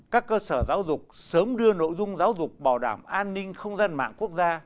các cơ sở giáo dục sớm đưa nội dung giáo dục bảo đảm an ninh không gian mạng quốc gia